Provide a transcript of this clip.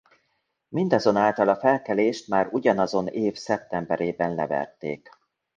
Mindazonáltal a felkelést már ugyanazon év szeptemberében leverték.